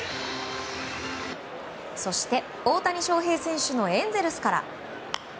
そして大谷翔平選手のエンゼルスから。